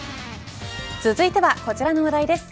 続いてはこちらの話題です。